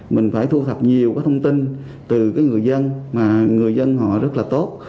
mình phải thu thập nhiều thông tin từ người dân mà người dân họ rất là tốt